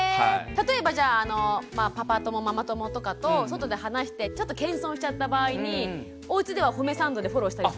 例えばじゃああのパパ友ママ友とかと外で話してちょっと謙遜しちゃった場合におうちでは褒めサンドでフォローしたりするんですか？